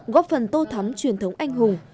góp phần tô thắm truyền thống anh hùng